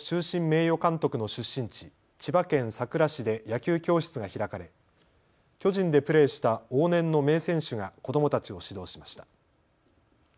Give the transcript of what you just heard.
名誉監督の出身地、千葉県佐倉市で野球教室が開かれ巨人でプレーした往年の名選手が子どもたちを指導しました。